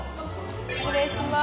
失礼します。